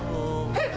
えっ！